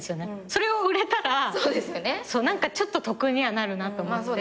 それを売れたら何かちょっと得にはなるなと思って。